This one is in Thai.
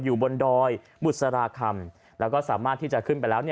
อยู่บนดอยบุษราคำแล้วก็สามารถที่จะขึ้นไปแล้ว